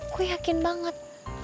gue yakin banget